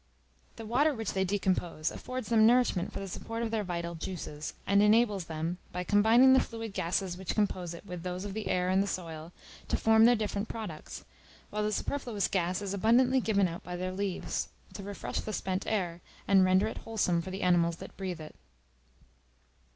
The water which they decompose affords them nourishment for the support of their vital juices, and enables them, by combining the fluid gases which compose it with those of the air and the soil, to form their different products; while the superfluous gas is abundantly given out by their leaves, to refresh the spent air, and render it wholesome for the animals that breathe it.